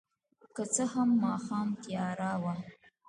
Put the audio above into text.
که څه هم ماښام تیاره وه.